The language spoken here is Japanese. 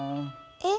え？